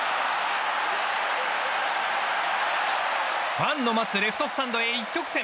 ファンの待つレフトスタンドへ一直線！